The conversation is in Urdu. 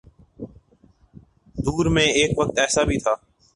دور میں ایک وقت ایسا بھی تھا۔